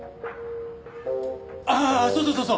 ああそうそうそうそう！